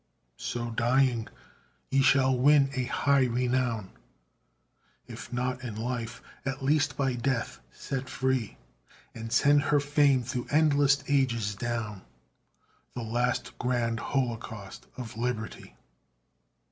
So, dying, ye shall win a high renown, If not in life, at least by death, set free; And send her fame through endless ages down The last grand holocaust of Liberty.